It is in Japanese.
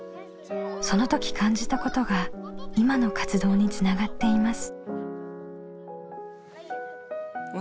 その時感じたことが今の活動につながっています。